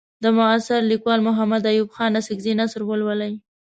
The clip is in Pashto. د معاصر لیکوال محمد ایوب خان اڅکزي نثر ولولئ.